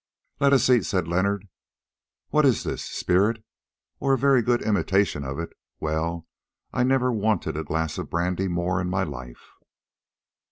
"Let us eat," said Leonard. "What is this? Spirit, or a very good imitation of it. Well, I never wanted a glass of brandy more in my life."